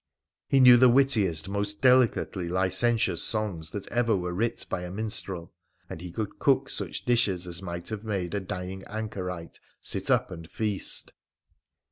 He knew the wittiest, most delicately licentious songs that ever were writ by a minstrel, and he could cook such dishes as might have made a dying anchorite sit up and feast.